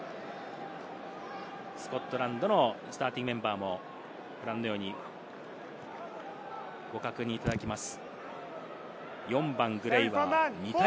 スコットランドのスターティングメンバー、ご覧のようにご確認いただきます。